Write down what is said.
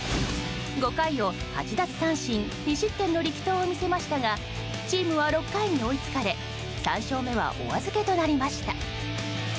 ５回を８奪三振２失点の力投を見せましたがチームは６回に追いつかれ３勝目はお預けとなりました。